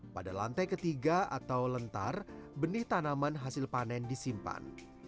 pada lantai ketiga atau lentar benih tanaman hasil panen disimpan